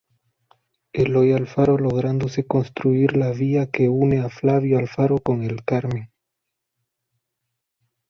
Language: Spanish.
Eloy Alfaro lográndose construir la vía que une a Flavio Alfaro con el Carmen.